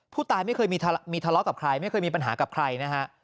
ผู้ตายไม่เคยมีทะเลาะกับใครไม่เคยมีปัญหากับใครนะฮะ